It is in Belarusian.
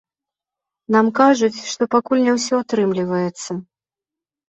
Нам кажуць, што пакуль не ўсё атрымліваецца.